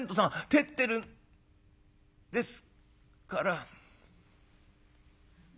照ってるんですから」。